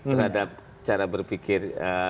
terhadap cara berpikir